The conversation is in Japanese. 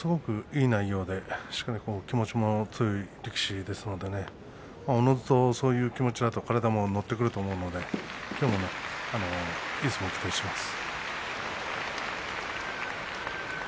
いい内容で、しかも気持ちの強い力士ですからおのずとそういう気持ちだと体も乗ってくると思うので今日もいい相撲を期待します。